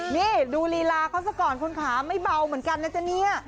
นี่ดูลีลาเขาซะก่อนคุณขาไม่เบาเหมือนกันนะจ๊ะเนี่ย